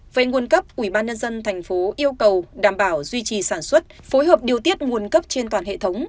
về nguồn gấp quỹ ban nhân dân thành phố yêu cầu đảm bảo duy trì sản xuất phối hợp điều tiết nguồn gấp trên toàn hệ thống